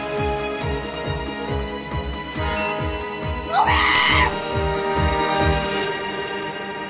ごめん！